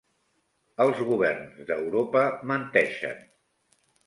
Els governs d'Europa menteixen.